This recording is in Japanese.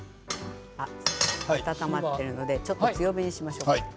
温まっているのでちょっと強火にしましょう。